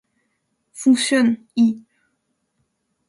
Fonctionne, i.